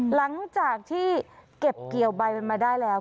หลังจากที่เก็บเกี่ยวใบมันมาได้แล้ว